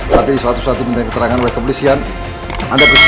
tapi suatu suatu benda keterangan dan keblisian anda bersedia